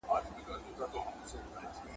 د اوبو زور یې په ژوند نه وو لیدلی !.